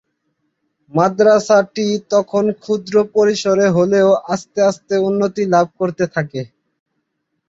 মাদরাসাটি তখন ক্ষুদ্র পরিসরে হলেও আস্তে আস্তে উন্নতি লাভ করতে থাকে।